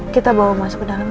kita bawa masuk ke dalam